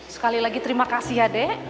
sekali lagi terima kasih ya dek